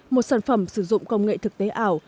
một sản phẩm sử dụng công nghệ thực tế ảo